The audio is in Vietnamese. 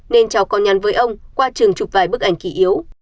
nên cháu có nhắn với ông qua trường chụp vài bức ảnh kỳ yếu